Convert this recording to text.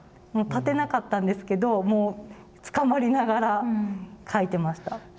もう立てなかったんですけどもうつかまりながら描いてました。